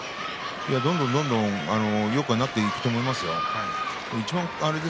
どんどんよくなっていくと思いますよ。